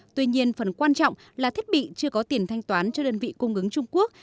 tuy nhiên phần quan trọng là thiết bị chưa có tiền thanh toán cho đơn vị cung ứng trung quốc